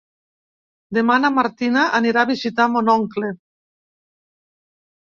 Demà na Martina anirà a visitar mon oncle.